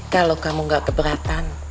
kalau kamu gak keberatan